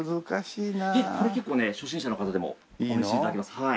いえこれ結構ね初心者の方でもお召し頂けます。